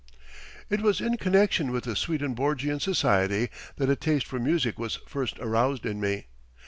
It was in connection with the Swedenborgian Society that a taste for music was first aroused in me.